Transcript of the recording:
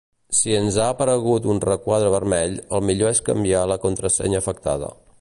Si ens ha aparegut un requadre vermell, el millor és canviar la contrasenya afectada.